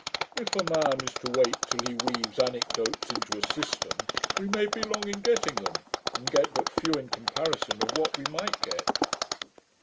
If a man is to wait till he weaves anecdotes into a system, we may be long in getting them, and get but a few, in comparison of what we might get.'